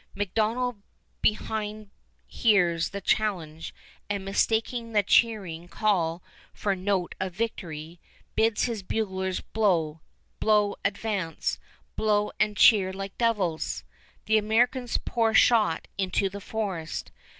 McDonnell behind hears the challenge, and mistaking the cheering call for note of victory, bids his buglers blow, blow advance, blow and cheer like devils! The Americans pour shot into the forest.